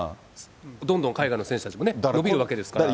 どんどん海外の選手たちも伸びるわけですから。